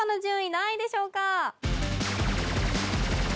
何位でしょうか？